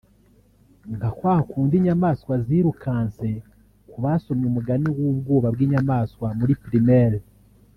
nka kwa kundi inyamaswa zirukanse ku basomye umugani w’ubwoba bw’inyamaswa muri primaire